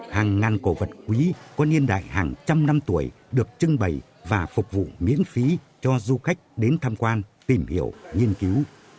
hàng ngàn cổ vật quý có niên đại hàng trăm năm tuổi được trưng bày và phục vụ miễn phí cho du khách đến tham quan tìm hiểu nghiên cứu